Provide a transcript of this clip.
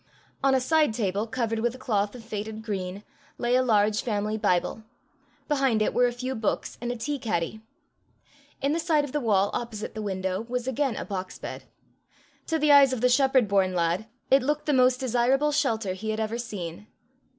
On a side table covered with a cloth of faded green, lay a large family Bible; behind it were a few books and a tea caddy. In the side of the wall opposite the window, was again a box bed. To the eyes of the shepherd born lad, it looked the most desirable shelter he had ever seen.